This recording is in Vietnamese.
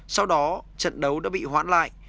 sau đó trận đấu đã bị hoãn lại